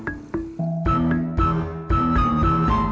yang akan pamit panajen akan and